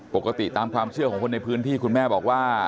ตามความเชื่อของคนในพื้นที่คุณแม่บอกว่า